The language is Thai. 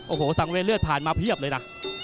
โอ้โหสังเวยเลือดผ่านมาเพียบเลยนะ